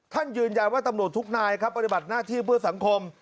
ยืนยันว่าตำรวจทุกนายครับปฏิบัติหน้าที่เพื่อสังคม